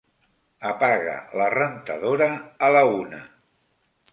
Apaga la rentadora a la una.